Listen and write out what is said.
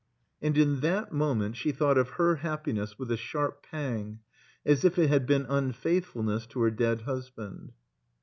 And in that moment she thought of her happiness with a sharp pang as if it had been unfaithfulness to her dead husband.